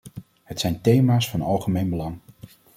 Het zijn thema's van algemeen belang.